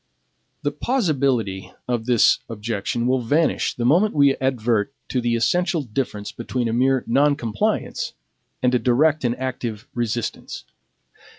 The plausibility of this objection will vanish the moment we advert to the essential difference between a mere NON COMPLIANCE and a DIRECT and ACTIVE RESISTANCE.